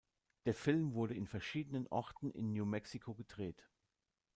Der Film wurde in verschiedenen Orten in New Mexico gedreht.